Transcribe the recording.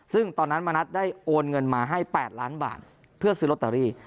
ซึ่งตอนนั้นมณัฐได้โอนเงินมาให้๘ล้านบาทเพื่อซื้อลอตเตอรี่